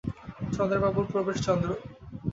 চন্দ্রবাবুর প্রবেশ চন্দ্র।